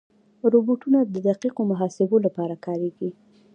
روبوټونه د دقیقو محاسبو لپاره کارېږي.